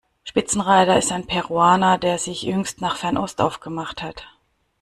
Spitzenreiter ist ein Peruaner, der sich jüngst nach Fernost aufgemacht hat.